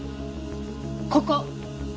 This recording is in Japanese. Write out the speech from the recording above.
ここ。